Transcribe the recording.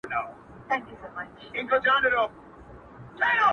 پرې کوي غاړي د خپلو اولادونو!.